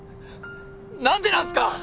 何でなんすか！？